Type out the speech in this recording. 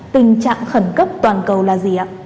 tình trạng khẩn cấp toàn cầu là gì ạ